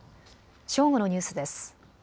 正午のニュースです。